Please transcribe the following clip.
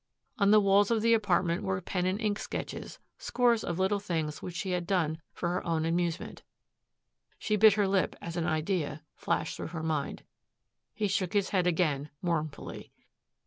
On the walls of the apartment were pen and ink sketches, scores of little things which she had done for her own amusement. She bit her lip as an idea flashed through her mind. He shook his head again mournfully.